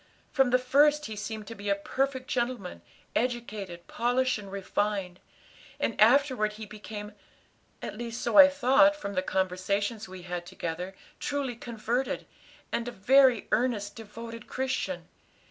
From the first he seemed to be a perfect gentleman, educated, polished, and refined; and afterward he became at least so I thought from the conversations we had together truly converted, and a very earnest, devoted Christian.